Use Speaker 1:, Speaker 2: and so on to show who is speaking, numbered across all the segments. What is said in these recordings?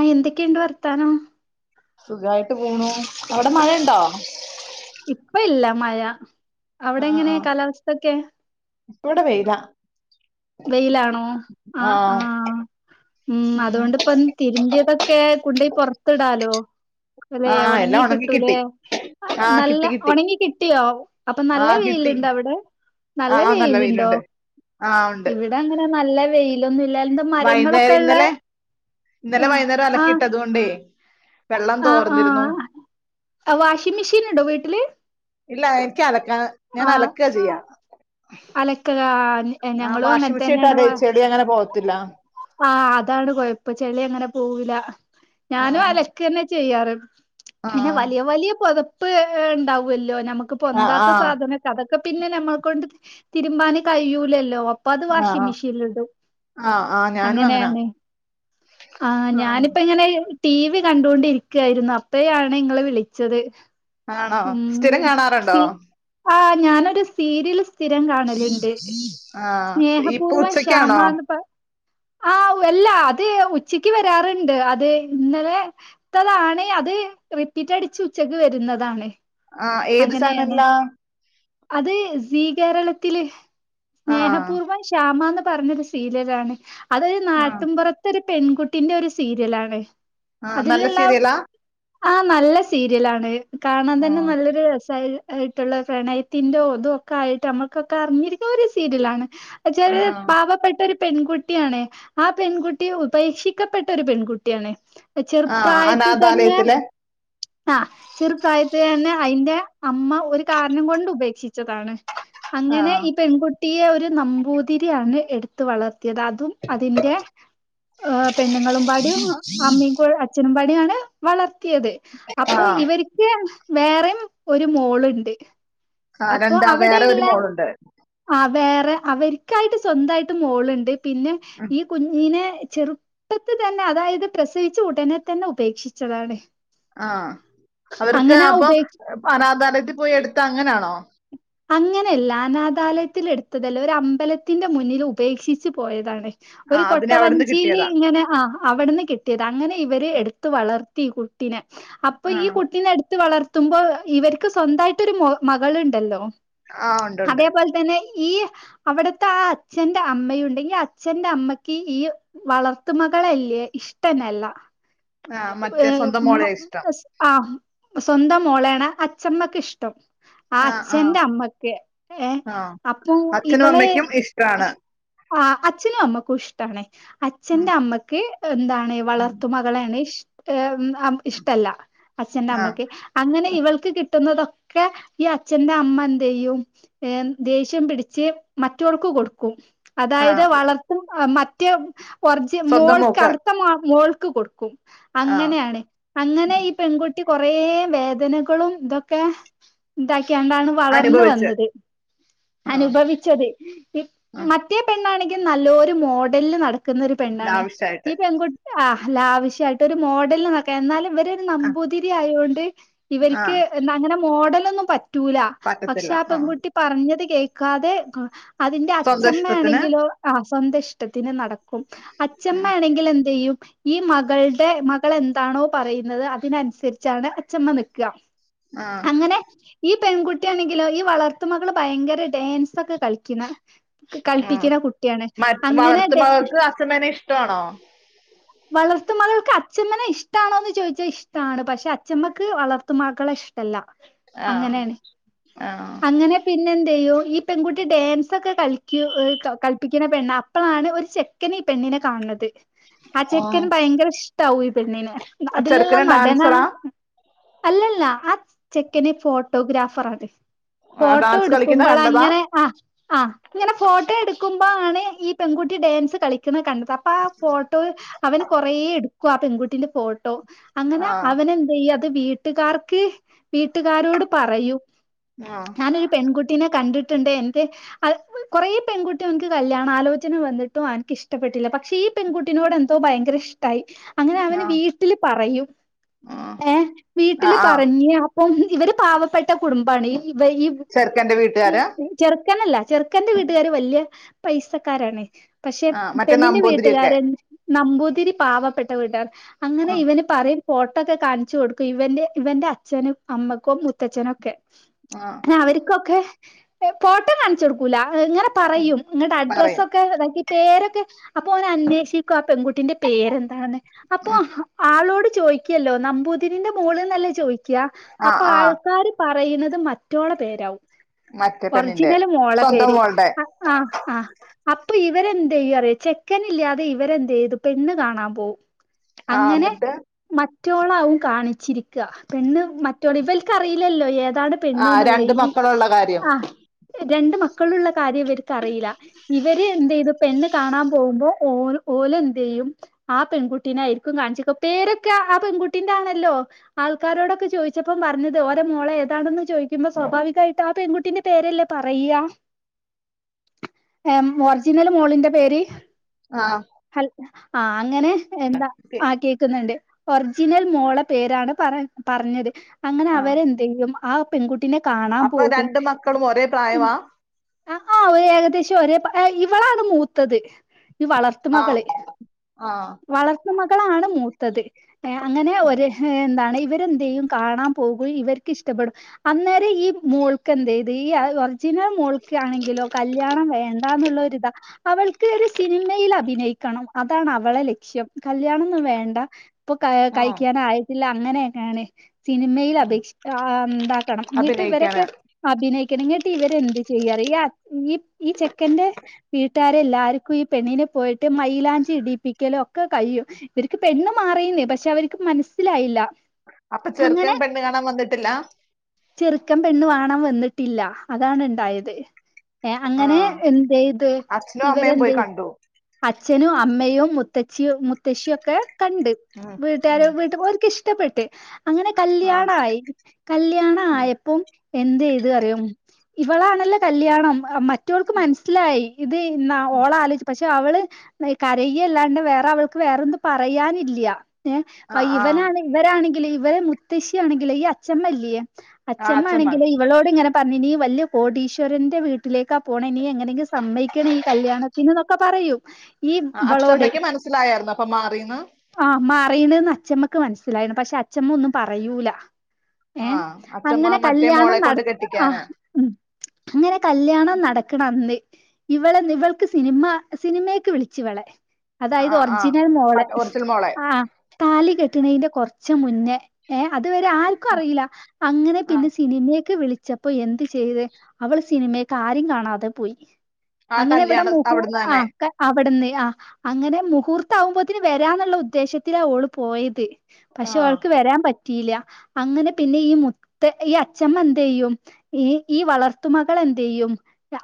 Speaker 1: ആ എന്തൊക്കെയുണ്ട് വർത്താനം.
Speaker 2: സുഖായിട്ട് പോണു. അവിടെ മഴ ഉണ്ടോ.
Speaker 1: ഇപ്പ ഇല്ല മഴ. അവിടെ എങ്ങനെയ കാലാവസ്ഥൊക്കെ.
Speaker 2: ഇപ്പടെ വയില.
Speaker 1: വെയിലാണോ. ആ ആ
Speaker 2: ആഹ്
Speaker 1: ഉ
Speaker 2: ഉം
Speaker 1: അതുകൊണ്ടിപ്പം തിരുമ്പിയത ഒക്കെ കുണ്ടയി പൊറത്തിടാലോ. അതെ
Speaker 2: ആഹ്
Speaker 1: ഉണങ്ങി
Speaker 2: എല്ലാം ഒണങ്ങി
Speaker 1: കിട്ടൂല്ലേ.
Speaker 2: കിട്ടി ആഹ്
Speaker 1: നല്ല
Speaker 2: കിട്ടി കിട്ടി
Speaker 1: ഉണങ്ങി കിട്ടിയോ. അപ്പൊ നല്ല
Speaker 2: ആഹ് കിട്ടി
Speaker 1: വെയിലുണ്ടോ അവിടെ. നല്ല വെയിലുണ്ടോ.
Speaker 2: ആ ഉണ്
Speaker 1: ഇവിടെ അങ്ങനെ നല്ല വെയിലൊന്നുംല്ല. എ മരങ്ങളൊക്കെ
Speaker 2: വൈകുന്നേരം
Speaker 1: ഉള്ള
Speaker 2: ഇന്നലെ
Speaker 1: ആ ആ.
Speaker 2: അതൊണ്ട വെള്ളം തോർന്നിരുന്നു.
Speaker 1: ആ വാഷിംഗ് മെഷീൻ ഉണ്ടോ വീട്ടില്.
Speaker 2: ഇല്ല എനിക്ക് അലക്കാ ഞാൻ
Speaker 1: ആ
Speaker 2: അലക്ക ചെയ്യാ.
Speaker 1: അലക്ക
Speaker 2: ആ
Speaker 1: ഞങ്ങളും
Speaker 2: വാഷിംഗ
Speaker 1: അങ്ങനെ
Speaker 2: മിഷീൻട്ടലചെളി അങ്ങനെ പോവത്തില്ല.
Speaker 1: ആ അതാണ് കൊഴപ്പം ചെളി അങ്ങനെ പോവുല്ല. ഞാനും
Speaker 2: ആഹ്
Speaker 1: അലക്ക തന്നെ ചെയ്യാറ്. പിന്നെ
Speaker 2: ആഹ്
Speaker 1: വലിയ വലിയ പുതപ്പ് ഉണ്ടാവല്ലോ. നമുക്ക്
Speaker 2: ആഹ്
Speaker 1: പൊന്താത്ത സാധന അതൊക്കെ പിന്നെ നമ്മൾക്കൊണ്ട് തിരുമ്പാന് കഴിയൂലല്ലോ. അപ്പൊ അത്
Speaker 2: ആഹ്
Speaker 1: വാഷിംഗ
Speaker 2: ആഹ്
Speaker 1: മെഷീനൽ ഇടും
Speaker 2: ആഹ് ആ
Speaker 1: അങ്ങനെയണേ. ആ
Speaker 2: ആഹ്
Speaker 1: ഞാനിപ്പ ഇങ്ങനെ ടി വി കണ്ടുകൊണ്ടിരിക്കയായിരുന്നു. അപ്പഴാണ് നിങ്ങള് വിളിച്ചത്.
Speaker 2: ആണോ. സ്ഥിരം കാണാറുണ്ടോ.
Speaker 1: ആ ഞാനൊരു സീരിയൽ സ്ഥിരം കാണലുണ്ട്.
Speaker 2: ആഹ
Speaker 1: സ്നേഹപൂർവം ശ്യാമാന്ന് പ ആ അല്ല. അത് ഉച്ചയ്ക്ക് വരാറുണ്ട്. അത് ഇന്നലെ ത്തതാണ്. അത് റിപ്പിറ്റ് അടിച്ച് ഉച്ചക്ക് വരുന്നതാണ്.
Speaker 2: ആ ഏതു
Speaker 1: അങ്ങനെയാണ്
Speaker 2: ചാനല്ലാ.
Speaker 1: അത് സ്വീകേരളത്തില്.
Speaker 2: ആ
Speaker 1: സ്നേഹപൂർവ്വം ശ്വാമന്ന് പറഞ്ഞൊരു സീരിയല ആണ്. അതൊരു
Speaker 2: ആ
Speaker 1: നാട്ടിൻപുറത്ത ഒരു പെൺകുട്ടിന്റെ ഒരു സീരിയലാണ്.
Speaker 2: ആ നല്ല
Speaker 1: അതിലുള്ള
Speaker 2: സീരിയലാ
Speaker 1: ആഹ് നല്ല സീരിയലാണ്. കാണാൻ
Speaker 2: ആ
Speaker 1: തന്നെ നല്ലൊരു രസായി ആയിട്ടുള്ള പ്രണയത്തിന്റെ ഒതുംക്കെ ആയിട്ട് നമ്മൾക്കൊക്കെ അറിഞ്ഞിരിക്കുന്ന ഒരു സീരിയലാണ് എന്നുവെച്ച
Speaker 2: ആ
Speaker 1: ഒരു പാവപ്പെട്ട ഒരു പെൺകുട്ടിയാണ്. ആ പെൺകുട്ടി ഉപേക്ഷിക്കപ്പെട്ട ഒരു പെൺകുട്ടിയാണ്.
Speaker 2: ആ
Speaker 1: ചെറുപ്രായത്തിൽ തന്നെ
Speaker 2: അനാഥാലയത്തിലെ
Speaker 1: ആഹ് ചെറുപായത്തി തന്നെ അയിന്റെ അമ്മ ഒരു കാരണം കൊണ്ട് ഉപേക്ഷിച്ചതാണ്.
Speaker 2: ആ
Speaker 1: അങ്ങനെ ഈ പെൺകുട്ടിയെ ഒരു നമ്പൂതിരിയാണ് എടുത്ത് വളർത്തിയത് അതും അതിന്റെ പെണ്ണുങ്ങളും പാടും അമ്മയും അച്ഛനും പാടിയും ആണ് വളർത്തിയത്.
Speaker 2: ആ
Speaker 1: അപ്പൊ ഇവർക്ക് വേറെയും ഒരു മോളുണ്ട്.
Speaker 2: ആഹ്
Speaker 1: അപ്പൊ
Speaker 2: രണ്ടാ വേറെ ഒരു
Speaker 1: അവിടെയുള്ള
Speaker 2: മോളുണ്ട്.
Speaker 1: ആഹ് വേറെ അവരിക്കായിട്ട് സ്വന്തായിട്ട് മോളുണ്ട്. പിന്നെ
Speaker 2: ഉം
Speaker 1: ഈ കുഞ്ഞിനെ ചെറു പ്പത്തി തന്നെ അതായത് പ്രസവിച്ച ഉടനെ തന്നെ ഉപേക്ഷിച്ചതാണ്.
Speaker 2: ആഹ് അവർക്ക്
Speaker 1: അങ്ങനെ ആ
Speaker 2: അപ്പൊ
Speaker 1: ഉപേക്ഷിക്കുന്ന
Speaker 2: അനാഥാലയത്തിൽ പോയി എടുത്ത അങ്ങനാണോ.
Speaker 1: അങ്ങനെയല്ല. അനാഥാലയത്തിൽ എടുത്തതല്ല. ഒരു അമ്പലത്തിന്റെ മുന്നിൽ ഉപേക്ഷിച്ച് പോയതാണ്.
Speaker 2: ആ
Speaker 1: ഒരു
Speaker 2: അതിന് അവിടുന്ന്
Speaker 1: കൊട്ടവഞ്ചിയില്
Speaker 2: കിട്ടിയതാ
Speaker 1: ഇങ്ങനെ ആഹ് അവിടുന്ന് കിട്ടിയത് അങ്ങനെ ഇവര് എടുത്ത് വളർത്തി ഈ കു കുട്ടിനെ അപ്പൊ
Speaker 2: ആ
Speaker 1: ഈ കുട്ടീനെ എടുത്തു വളർ ത്തുമ്പോ ഇവർക്ക് സ്വന്തവായിട്ടൊരു മോ മകളുണ്ടല്ലോ
Speaker 2: ആഹ് ഒൺ
Speaker 1: അതേപോലെ തന്നെ ഈഹ് അവിടത്ത ആ അച്ഛന്റെ അമ്മയുണ്ടെങ്കി അച്ഛന്റെ അമ്മക്ക് ഈ വളർത്ത മകളല്ലെയെ ഇഷ്ടനല്ല
Speaker 2: ആ മറ്റേ സ്വന്തം മോളെയാ ഇഷ്ടം
Speaker 1: അഹ് ആ സ്വന്തം മോളാണ് അച്ചമ്മക്ക് ഇഷ്ടം ആ അച്ഛന്റ അമ്മക്ക് ഏഹ്
Speaker 2: ആ
Speaker 1: അപ്പൊ
Speaker 2: അച്ഛനും
Speaker 1: ഇവളെ
Speaker 2: അമ്മയ്ക്കും ഇഷ്ടാണ്
Speaker 1: ആ അച്ഛനും അമ്മക്കും ഇഷ്ടണേ
Speaker 2: ഉം
Speaker 1: അച്ഛന്റെ അമ്മക്ക് എന്താണ്
Speaker 2: ഉം
Speaker 1: വളർത്ത മകളെയാണ് ഇ ഇഷ് ഏഹ് ഇഷ്ടല്ല അച്ഛന്റെ
Speaker 2: ആ
Speaker 1: അമ്മക്ക് ഏഹ് അങ്ങനെ ഇവൾക്ക് കിട്ടുന്നതൊക്കെ ഈ അച്ഛന്റെ അമ്മ എന്തേയ്യും ഏ ദേഷ്യം പിടിച്ച് മറ്റവർക്ക് കൊടുക്കും
Speaker 2: ആ
Speaker 1: അതായത് വളർത്തും ആ മറ്റേഅഹ് ഒർജി
Speaker 2: സ്വന്തം
Speaker 1: മോൾക്ക്
Speaker 2: മോക്ക്
Speaker 1: അവിടുത്തെ മോൾ മോൾക്ക് കൊടുക്കും
Speaker 2: ആ
Speaker 1: അങ്ങനെയാണ് അങ്ങനെ ഈ പെൺകുട്ടി കൊറേ വേദനകളും ഇതൊക്കെഏഹ് ഇതാക്കിയണ്ടാണ് വളർന്നു
Speaker 2: അനുഭവിച്ച്
Speaker 1: വന്നത്
Speaker 2: ആ
Speaker 1: അനുഭവി ച്ചത്
Speaker 2: ആ
Speaker 1: മറ്റേ പെണ്ണാണെങ്കി നല്ലോരു മോഡലിൽ നടക്കുന്നൊരു പെണ്ണാണ്. ഈ
Speaker 2: ലാവിഷായിട്ട്
Speaker 1: പെൺകുട്ടി ആ ലാവിശ്യായിട്ട് ഒരു മോഡലിൽ നട എന്നാല് ഇവരൊരു
Speaker 2: ആ
Speaker 1: നമ്പൂതിരി ആയോണ്ട് ഇവർക്ക്
Speaker 2: ആഹ്
Speaker 1: എന്താ അങ്ങനെ മോഡലൊന്നും പറ്റൂല
Speaker 2: പറ്റത്തില്ല
Speaker 1: പക്ഷെ ആ
Speaker 2: ആഹ്
Speaker 1: പെൺകുട്ടി പറഞ്ഞത് കേൾക്കാതെ അതിന്റെ
Speaker 2: സ്വന്തം ഇഷ്ടത്തിന്
Speaker 1: അച്ഛമ്മയാണെങ്കിലോ ആഹ് സ്വന്ത ഇഷ്ടത്തിന് നടക്കും അച്ഛമ്മ
Speaker 2: ഉം
Speaker 1: ആണെങ്കിൽ എന്ത് ചെയ്യും ഈ മകൾ തെ മകൾ എന്താണോ പറയുന്നത് അതിനനുസരിച്ചാണ് അച്ഛമ്മ നിൽക്കുക
Speaker 2: ആഹ്
Speaker 1: അങ്ങനെ ഈ പെൺകുട്ടിയാണെങ്കിലോ ഈ വളർത്ത് മകള് ഭയങ്കര ഡാൻസ ഒക്കെ കളിക്കുന്ന
Speaker 2: ആഹ്
Speaker 1: കളിപ്പിക്കുന്ന കുട്ടിയാണ്
Speaker 2: മ
Speaker 1: അങ്ങനെ
Speaker 2: വളർത്ത്
Speaker 1: ഡെ
Speaker 2: മകൾക്ക് അച്ഛമ്മേനെ ഇഷ്ടാണോ
Speaker 1: വളർത്തുമകൾ ക്ക് അച്ഛമ്മനെ ഇഷ്ടാണോന്ന് ചോദിച്ചാൽ ഇഷ്ടമാണ് പക്ഷെ അച്ചമ്മക്ക് വളർത്തു മകളെ ഇഷ് ട്ടല്ല
Speaker 2: ആഹ്
Speaker 1: അങ്ങനെയാണ്
Speaker 2: ആഹ്
Speaker 1: അങ്ങനെ പിന്നെ എന്ത ചെയ്യും ഈ പെൺകുട്ടി ഡാൻസ് ഒക്കെ കളിക് കൽപ്പിക്കുന്ന പെണ്ണ അപ്പളാണ് ഒരു ചെക് ക്കെന് ഈ പെണ്ണിനെ കാണുന്നത് ആ
Speaker 2: ആഹ്
Speaker 1: ചെക്കന് ഭയങ്കര ഇഷ്ടാവു ഈ പെണ്ണിനെ അതിലുള്ള
Speaker 2: ചെറുക്കന്
Speaker 1: നടനാ
Speaker 2: ഡാൻസറാ
Speaker 1: അല്ലല്ല ആ ചെക്കനെ ഫോട്ടോഗ്രാഫർ ആണ്
Speaker 2: ആഹ്
Speaker 1: ഫോട്ടോ
Speaker 2: ഡാൻസ് കളിക്കുന്ന
Speaker 1: എടുക്കുമ്പള്
Speaker 2: കണ്ടതാ
Speaker 1: അങ്ങനെ അഹ് ആഹ് ഇങ്ങനെ ഫോട്ടോ എടുക്കുമ്പോ ആണ് ഈ പെൺകുട്ടി ഡാൻസ് കളിക്കുന്നത് കണ്ട അപ്പൊ ആ ഫോട്ടോ അവന് കൊറേ എടുക്കും ആ പെൺകുട്ടിന്റെ ഫോട്ടോ അങ്ങനെ
Speaker 2: ആഹ്
Speaker 1: അവന് എന്ത് ചെയ്യ അത് വീട്ടുകാർക്ക് വീട്ടുകാരോട് പറയും
Speaker 2: [unintelligible]
Speaker 1: ഞാനൊരു പെൺകുട്ടീനെ കണ്ടിട്ടുണ്ട് എനിക് ആഹ് കൊറേ പെൺകുട്ടി അവൻക്ക് കല്യാണ ആലോചന വന്നിട്ടും അവനിക്ക് ഇഷ്ടപ്പെട്ടില്ല പക്ഷെ ഈ പെൺകുട്ടിനോട് എന്തോ ഭയങ്കര ഇഷ്ടായി അങ്ങനെ അവന്
Speaker 2: ആഹ്
Speaker 1: വീട്ടില് പറയും
Speaker 2: ആഹ്
Speaker 1: ഏഹ്
Speaker 2: ആഹ്
Speaker 1: വീട്ടില്
Speaker 2: ആഹ്
Speaker 1: പറഞ്ഞ് ആ ഇപ്പം ഇവര് പാവപ്പെട്ട കുടുംബാണ് ഈ ഇവര് ഈ
Speaker 2: ചെറുക്കന്റെ വീട്ടുകാരാ
Speaker 1: ചെറുക്കനല്ല ചെറുക്കന്റെ വീട്ടുകാാര് വല്ല്യ പൈസക്കാരാണ് പക്ഷെ
Speaker 2: ആഹ് മറ്റേ
Speaker 1: പെണ്ണിന്റെ
Speaker 2: നമ്പൂതിരിയൊക്കെ
Speaker 1: വീട്ടുകാരൻ നമ്പൂതിരി പാവപ്പെട്ട വീട്ടുകർ അങ്ങനെ
Speaker 2: ആഹ്
Speaker 1: ഇവന് പറയും ഫോട്ടോക്കെ കാണിച്ചു കൊടുക്കും ഇവന്റെ ഇവന്റെ അച്ഛനും അമ്മക്കും മുത്തച്ഛനും ഒക്കെ
Speaker 2: ആഹ്
Speaker 1: അവർക്കൊക്കെ എഹ് ഫോട്ടം കാണിച്ച് കൊടുക്കൂല ഇങ്ങനെ പറയും ഇങ്ങട്ട്
Speaker 2: പറയും
Speaker 1: അഡ്രസൊക്കെ ഇതാക്കി പേരൊക്കെ അപ്പൊ ഓന് അന്വേഷിക്കും ആ പെൺകുട്ടിന്റെ പേരെന്താണെന്ന് അപ്പൊ
Speaker 2: ആഹ്
Speaker 1: ആളോട് ചോദിക്കല്ലോ നമ്പൂതിരിന്റെ മോള്ന്നല്ലേ ചോദിക്ക
Speaker 2: ആഹ്
Speaker 1: അപ്പൊ
Speaker 2: ആഹ്
Speaker 1: ആൾക്കാാര് പറയുന്നത് മറ്റോളെ പേരാവും
Speaker 2: മറ്റേ പെണ്ണിന്റെ
Speaker 1: ഒറിജിനല് മോളെ
Speaker 2: സ്വന്തം
Speaker 1: പേര്
Speaker 2: മോൾടെ
Speaker 1: അ അഹ് അഹ് അപ്പൊ ഇവരെന്തയ്യറിയൊ. ചെക്കനില്ലാതെ ഇവരെന്തെയ്ത് പെണ്ണ് കാണാൻ പോവും
Speaker 2: ആഹ്
Speaker 1: അങ്ങനെ
Speaker 2: എന്നിട്ട്
Speaker 1: മറ്റോളാവും കാണിച്ചിരിക്ക പെണ്ണ് മ റ്റോള് ഇവൽക്കറിയില്ലല്ലോ ഏതാണ്
Speaker 2: ആഹ്
Speaker 1: പെണ്ണ്ന്ന്ള്ളെ
Speaker 2: രണ്ട്
Speaker 1: ഈ
Speaker 2: മക്കളുള്ള കാര്യം
Speaker 1: ആഹ് രണ്ട് മക്കളുള്ള കാര്യം ഇവര്ക്കറീല്ല ഇവര് എന്തെയ്തു പെണ്ണ് കാണാൻ പോവ്മ്പോ ഓ ഓലെന്തെയ്യും ആ പെൺകു ട്ടിനായിരിക്കും കാണിച്ചിക്ക പേരൊക്കെ ആ പെൺകുട്ടിന്റാണല്ലോ ആൾക്കാരോടൊക്കെ ചോദിച്ചപ്പം പറഞ്ഞത് ഓരെ മോളെ ഏതാണെന്ന് ചോയിക്കുമ്പോ സ്വാഭാവി കായിട്ട് ആ പെൺകുട്ടിന്റെ പേരല്ലേ പറയ ഏഹ് ഒറിജിനൽ മോളിന്റെ പേര്
Speaker 2: ആഹ്‌
Speaker 1: ഹൽ ആഹ് അങ്ങനെ എന്താ ആ കേക്കുന്നുണ്ട് ഒറിജിനൽ മോളെ പേരാണ് പറ പറഞ്ഞത് അങ്ങനെ
Speaker 2: ആഹ്
Speaker 1: അവരെന്തെയ്യും ആ പെൺകുട്ടിനെ കാണാൻ
Speaker 2: അപ്പൊ
Speaker 1: പോകും
Speaker 2: രണ്ട് മക്കളും ഒരേ പ്രായമാ
Speaker 1: അഹ് ആഹ് ഒര് ഏകദേശം ഒരേ പ ഏഹ് ഇവളാണ് മൂത്തത് ഈ
Speaker 2: ആഹ്‌ ആഹ്‌
Speaker 1: വളർത്ത് മകളാണ് മൂത്തത് ഏഹ് അങ്ങനെ ഒരു ഹെഹ് എന്താണ് ഇവ രെന്തെയ്യും, കാണാൻ പോകുകയും ഇവർക്ക് ഇഷ്ടപ്പെടും അന്നേരം ഈ മോൾക്ക് എന്തയ്ത് ഈ അത് ഒ ച്ചിന മോൾക്കാണെങ്കിലോ കല്യാണം വേണ്ടാന്നുള്ളൊരിതാ അവൾക്ക് ഒര് സിൻമയിൽ അഭിനയിക്കണം അതാണ് അവളെ ലക്ഷ്യം കല്യാണൊന്നും വേണ്ട പ്പൊ ക
Speaker 2: ഉം
Speaker 1: കഴിക്കാനായി ഇല്ല അങ്ങനെയെങ്ങാണ് സിനിമയില്
Speaker 2: ഉം
Speaker 1: അപേക്ഷി ആഹ് ന്താക്കണം എന്നിട്ട് ഇവരൊക്കെ
Speaker 2: അഭിനയിക്കാന്
Speaker 1: അഭിനയിക്കണം. ഇങ്ങട്ട് ഇവരെന്ത് ചെയ്യാറിയൊ ഈയാ ഈ ഈ ചെക്കന്റെ വീട്ടാരെ എല്ലാർക്കും ഈ പെണ്ണിനെ പോയിട്ട് മൈയിലാഞ്ചി ഇടിപ്പി യ്ക്കലോക്കെ കയ്യും ഇവർക്ക് പെണ്ണ് മാറിന്നേ പക്ഷെ അവർക്ക് മനസ്സിലായില്ല
Speaker 2: അപ്പൊ ചെറുക്കൻ
Speaker 1: അങ്ങനെ
Speaker 2: പെണ്ണ് കാണാൻ വന്നിട്ടില്ല
Speaker 1: ചെറുക്കൻ പെണ്ണ് വാണാൻ വന്നിട്ടില്ല അതാണണ്ടായത് ഏയ് അങ്ങനെ
Speaker 2: ആഹ്
Speaker 1: എന്തേയ്ത്
Speaker 2: അച്ഛനും അമ്മയും പോയി
Speaker 1: ഇവരെന്തെ
Speaker 2: കണ്ടു
Speaker 1: അച്ഛനും അമ്മയും മുത്തച്ഛിയും മുത്തശ്ശിയൊക്കെ കണ്ട്
Speaker 2: ഉം
Speaker 1: വീട്ടുകാരെ
Speaker 2: ഉം
Speaker 1: വീട്ടു പോയ വർക്കിഷ് ടപ്പെട്ട് അങ്ങനെ
Speaker 2: ആഹ്
Speaker 1: കല്യാണായി കല്യാണായപ്പം എന്തേയ്ത്റിയും ഇവളാണല്ലോ കല്യാണം മ റ്റൊൾക്ക് മനസ്സിലായി ഇത് ഇന്ന ഓളാലോയിച്ചു പക്ഷെ അവള് കരയ്യ ല്ലാണ്ട് വേറെ അവൾക്ക് വേറെന്നും പറയാനില്ല
Speaker 2: ആഹ് ആഹ്
Speaker 1: ഇവനാണ് ഇവരാണെങ്കില് ഇവരെ മുത്തശ്ശിയാണെങ്കില് ഈ അച്ഛമ്മല്ല്യേ
Speaker 2: ആഹ് അച്ഛമ്മ
Speaker 1: അച്ഛമ്മാണെങ്കില് ഇവളോ ഇങ്ങനെ പറഞ്ഞിനീ വല്ല്യ കോടീശ്വരന്റെ വീട്ടിലേക്ക പോണനി എങ്ങനെങ്കിലും സമ്മയിക്കണ ഈ കല്യാണ പിന്നെതൊക്കെ പറയും ഈ
Speaker 2: ആ
Speaker 1: ഇവളോട്
Speaker 2: അച്ഛമ്മയ്ക്ക് മനസ്സിലായർന്നൊ അപ്പൊ മാറീന്ന്
Speaker 1: അമ്മാറിണ്ന്ന് അച്ഛമ്മക്ക് മനസ്സിലായിണ് പക്ഷെ അച്ഛമ്മ ഒന്നും പറയൂല ഏ
Speaker 2: ആഹ്‌ അച്ഛമ്മ മറ്റേ മോളെകൊണ്ട് കെട്ടിക്കാന
Speaker 1: ഉംഹ് അങ്ങനെ കല്യാണം നടക്കണന്ന് ഇവളെ ഇവൾക്ക് സിനിമ സിനിമേക്ക് വിളിച്ച് വളെ അതായത്
Speaker 2: ആഹ് ആഹ്
Speaker 1: ഒറിജിനൽ മോളെ
Speaker 2: മറ്റേ
Speaker 1: ഹ്‌
Speaker 2: ഒറിജിനൽ മോളെ
Speaker 1: ആഹ്‌ താലി കെട്ടിണെയിന്റെ കൊറച്ച് മുന്നേ ഏയ് അതുവരെ ആർക്കറീല അങ്ങനെ
Speaker 2: ആഹ്
Speaker 1: പിന്നെ സിനിമേക്ക് വിളിച്ചപ്പോ എന്തു ചെയ്ത് അവള് സിനിമേക്ക് ആരും കാണാതെ പോയി
Speaker 2: ആ
Speaker 1: അങ്ങനെ ഇവിടെ
Speaker 2: കല്യാണം
Speaker 1: മുഹു
Speaker 2: അവിടുന്ന് തന്നെ
Speaker 1: ആഹ് ക്കെ അവിട്ന്ന് അഹ് അങ്ങനെ മുഹൂർത്താവുമ്പോത്തിന് വരാന്നുള്ള ഉദ്ദേശത്തിലാ ഓള് പോയത് പക്ഷെ
Speaker 2: ആഹ്
Speaker 1: അവൾക്ക് വരാൻ പറ്റിയില്ല അങ്ങനെ പിന്നെ ഈ മുത്ത ഈ അച്ഛമ്മ എന്ത ചെയ്യും ഈ ഈ വളർത്ത മകൾ എന്ത് ചെയ്യും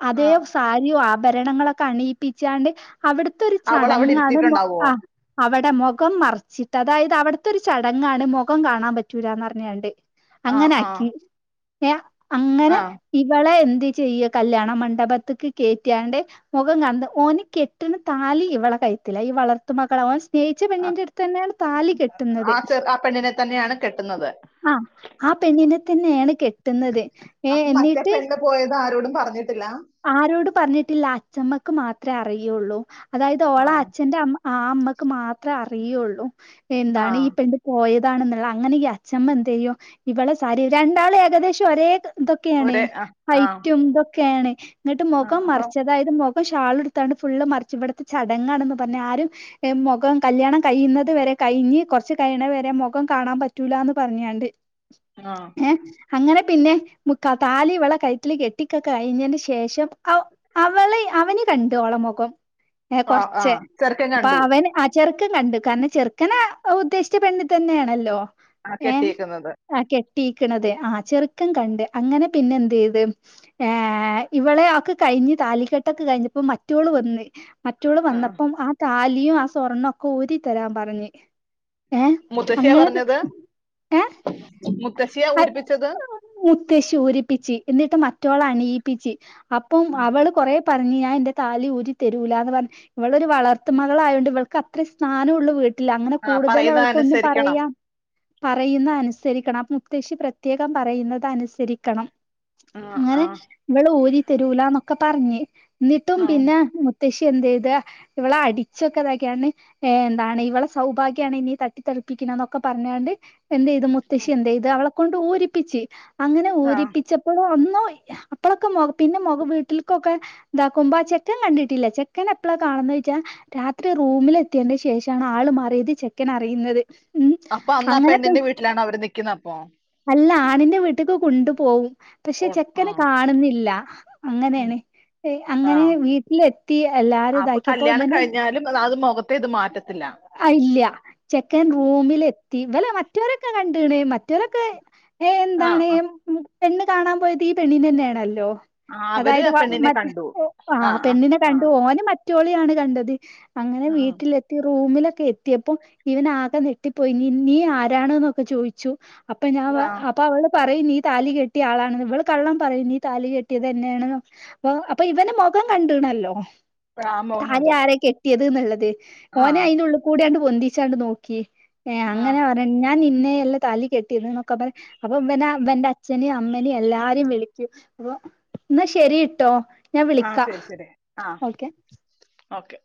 Speaker 1: അതേ
Speaker 2: ആഹ്
Speaker 1: സാരി ആഭരണങ്ങളൊക്കെ അണിയിപ്പിച്ചാണ്ട് അവിടുത്തെ
Speaker 2: അവളവിടെ
Speaker 1: ചടങ്ങാണ് മോ
Speaker 2: ഇരുത്തിയിട്ടുണ്ടാവോ
Speaker 1: ആഹ് അവിടെ മുഖം മറിച്ചിട്ട് അതായത് അവിടത്തെരു ചടങ്ങാണ് മുഖം കാണാൻ പറ്റൂലന്ന് പറഞ്ഞാണ്ട്
Speaker 2: ആഹ്
Speaker 1: അങ്ങനെ
Speaker 2: ആഹ്
Speaker 1: ആക്കി അങ്ങനെ
Speaker 2: ആഹ്
Speaker 1: ഇവള എന്ത് ചെയ്യ കല്യാണ മണ്ഡപത്തിക്ക് കയറ്റാണ്ട് മുഖം ക ഓന കെട്ടിന് താലി ഇവളെ കഴത്തില്ല ഈ വളർത്ത മകള അവൻ [unintelligible] ച്ച
Speaker 2: ആ
Speaker 1: പെണ്ണിൻ്റെ അടുത്ത് തന്നെയാണ് താലി കെട്ടുന്നത്
Speaker 2: ആ ചെറു ആ പെണ്ണിനെ തന്നെയാണ് കെട്ടുന്നത്
Speaker 1: ആഹ് ആ പെണ്ണിനെ തന്നെയാണ് കെട്ട
Speaker 2: അപ്പൊ മറ്റേ പെണ്ണ് പോയത് ആരോടും പറഞ്ഞിട്ടില്ല
Speaker 1: ആരോട് പറഞ്ഞിട്ടില്ല അച്ഛമ്മക്ക് മാത്രമേ അറിയുള്ളൂ അതായത്
Speaker 2: ആ
Speaker 1: ഓള അച്ഛന്റെ അമ്മ ആ അമ്മക്ക് മാത്രമേ അറിയുള്ളൂ
Speaker 2: ആ
Speaker 1: എന്താണ് ഈ പെ പോയതാണെന്നുള്ള അങ്ങനെ അച്ഛമ്മ എന്ത ചെയ്യോ ഇവളെ സാരി രണ്ടാള ഏകദേശം ഒരേ ഇതൊക്കെയാണ്
Speaker 2: ഒരേ ആ ആ
Speaker 1: ഹൈറ്റും ഇതൊക്കെയാണ് ഇങ്ങിട്ട്
Speaker 2: ആ
Speaker 1: മോക്കാ
Speaker 2: അപ്പൊ
Speaker 1: മറച്ചതായത്ക്ക ഇപ്പൊ ഷാള എടുത്താണ്ട് ഫുള്റിച്ച് ഇവിടുത്തെ ചടങ്ങാണന്ന് പറഞ്ഞ ആരും മുഖം കല്യാണം കഴിയുന്നത് വരെ കഴിഞ്ഞ് കുറച്ചു കഴിണ വരെ മുഖം കാണാൻ പറ്റൂല എന്ന് പറഞ്ഞാണ്ട്
Speaker 2: ആഹ്
Speaker 1: അങ്ങനെ പിന്നെ മു താലി വിള കയറ്റ കെട്ടിക്കൊക്കെ കഴിഞ്ഞ [unintelligible] ശേഷം അ അവളെ അവന് കണ്ട് ഓളമൊഖം ഏയ്
Speaker 2: ആ ആ
Speaker 1: കുറച്ചേ
Speaker 2: ചെറുക്കൻ
Speaker 1: പ്പൊ
Speaker 2: കണ്ടു
Speaker 1: അവൻ അ ചെറുക്കൻ കണ്ടു കാരണം ചെറുക്കന ഉദ്ദേശിച്ച പെണ്ണി തന്നെയാണല്ലോ
Speaker 2: ആ
Speaker 1: ഏഹ്
Speaker 2: കെട്ടിയേക്കുന്നത്
Speaker 1: ആ കെട്ടിയിക്കണത് ആ ചെറുക്കൻ കണ്ട് അങ്ങനെ പിന്നെ എന്ത് ചെയ്ത് ഏ ഇവളെ ഒക്കെ കഴിഞ്ഞ് താലിക്കെട്ടൊക്കെ കഴിഞ്ഞപ്പോ മറ്റോള് വന്ന് മറ്റോള് വന്നപ്പം ആ താലിയും ആ സ്വർണ്ണം ഒക്കെ ഊരിത്തരാൻ പറഞ്ഞ് ഏഹ്
Speaker 2: മുത്തശ്ശിയാ
Speaker 1: അങ്ങനെ പി ഏഹ്
Speaker 2: മുത്തശ്ശിയ ഊരിപ്പിച്ചത്
Speaker 1: മുത്തശ്ശി ഊരിപ്പിച്ച് എന്നിട്ട് മറ്റോളണിയിപ്പിച്ച് അപ്പം അവള് കൊറെ പറഞ്ഞു ഞാൻ എന്റെ താലി ഊരി തെരൂലാന്ന് പറഞ്ഞ് ഇവളൊരു വളർത്ത് മകൾ ആയതോണ്ട് ഇവൾക്ക് അത്രെ സ്‌ഥാനം ഉള്ളു വീ ട്ടിൽ അങ്ങനെ
Speaker 2: ആ
Speaker 1: കൂടുതൽ
Speaker 2: പറയുന്നത്
Speaker 1: അവൾക്ക്‌ ഒന്നും
Speaker 2: അനുസരിക്കണം
Speaker 1: പറയാം പറയുന്ന അനുസരിക്കണം മുത്തശി പ്രത്യേകം പറയുന്നത് അനുസരിക്കണം
Speaker 2: ആ ആ
Speaker 1: അങ്ങനെ ഇവൾ ഊരി തരൂലന്നൊക്കെ പറഞ്ഞ് എന്നിട്ടും
Speaker 2: ആ
Speaker 1: പിന്നെ മു മുത്തശ്ശി എന്തെയ്തു ഇവളെ അടിച്ചൊക്കെതാക്കിയാണ് ഏ എന്താണ് ഇവള സൗഭാഗ്യമാണ് നീ തട്ടിത്തെറുപ്പിക്കണ എന്നൊക്കെ പറഞ്ഞാണ്ട് എന്ത് ചെയ് ത് മുത്തശ്ശി എന്ത ചെയ്ത് അവളെ കൊണ്ട് ഊരിപ്പിച്ച് അങ്ങനെ
Speaker 2: ആ.
Speaker 1: ഊരിപ്പിച്ചപ്പോൾ ഒന്നും അപ്പഴൊക്കെ മുഖ പിന്നെ മുഖ വീട്ടിൽക്കൊക്കെ ഇതാക്കുമ്പോ ആ ചെക്കൻ കണ്ടിട്ടില്ല ചെക്കൻ എപ്പളാകാണന്ന് വെച്ചാ രാത്രി റൂമിൽ എത്തിയേണ്ട ശേഷമാണ് ആള് മറിയത് ചെക്കൻ അറിയുന്നത് ഉം
Speaker 2: അപ്പൊ അന്ന് ആ
Speaker 1: അങ്ങനെപ്പോ
Speaker 2: പെണ്ണിന്റെ വീട്ടിലാണോ അവര് നിക്കുന്നത് അപ്പൊ
Speaker 1: അല്ല ആണിന്റെ വീട്ട്ക്ക് കൊണ്ടു പോവും പക്ഷെ
Speaker 2: ഓ, ആ
Speaker 1: ചെക്കന് കാണുന്നില്ല
Speaker 2: ഉം,
Speaker 1: അങ്ങനെയാണ്
Speaker 2: ആ
Speaker 1: അങ്ങനെ വീട്ടിലെത്തി എല്ലാരും ഇതാക്കിയപ്പോ ഇവന്
Speaker 2: റ്റേ ഇത് മാറ്റത്തില്ല
Speaker 1: ഇല്ല ചെക്കൻ റൂമിൽ എത്തി ഇവല് മറ്റവലൊക്കെ കണ്ടണ് മറ്റവലൊക്കെ
Speaker 2: ആഹ് ആഹ്
Speaker 1: പെണ് കാണാൻ പോയത് ഈ പെണ്ണിനന്നെ ആണല്ലോ
Speaker 2: ആ, അവര്
Speaker 1: അതായത്
Speaker 2: ആ പെണ്ണിനെ
Speaker 1: മറ്റ
Speaker 2: കണ്ടു
Speaker 1: ആ പെണ്ണിനെ കണ്ടു ഓന് മ റ്റോളിയാണ് കണ്ടത് അങ്ങനെ
Speaker 2: ആ
Speaker 1: വീട്ടിലെ ത്തി റൂമിലൊക്കെ എത്തിയപ്പോ ഇവൻ ആകെ ഞെട്ടിപ്പോയി നീ നീ ആരാണ് ന്നൊക്കെ ചോയിച്ചു അപ്പൊ ഞാൻ പ
Speaker 2: ആ, ആ
Speaker 1: അപ് അപ്പൊ അവള് പറയും നീ താലി കെട്ടിയ ആളാണ് ഇവൾ കള്ളം പറയും നീ താലി കെട്ടിയത് എന്നെയാണ്ന്ന് അപ്പൊ അപ്പൊ ഇവന് മുഖം കണ്ടണല്ലോ
Speaker 2: ആ, മുഖം കണ്ടു
Speaker 1: താലിയാരെ കെട്ടിയത് എന്നുള്ളത്
Speaker 2: ആ
Speaker 1: ഓനെ അയിനുള്ള് കൂടയാണ്ട് പൊന്തിച്ചാണ്ട് നോക്കി ഏ
Speaker 2: ആ
Speaker 1: അങ്ങനെ പറ ഞാൻ നിന്നെ അല്ല താലി കെട്ടിയത് നൊക്കെ പറ അപ്പൊ ഇവൻ ഇവന്റെ അച്ഛനെ അമ്മെനേം എല്ലാരേം വിളിച്ച് അപ്പൊ എന്നാ ശരിട്ടോ ഞാൻ
Speaker 2: ആ
Speaker 1: വിളിക്കാ
Speaker 2: ശരി ശരി ആ
Speaker 1: ഓക്കെ
Speaker 2: ഓക്കെ